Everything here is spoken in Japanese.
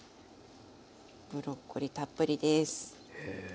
ブロッコリーたっぷりです。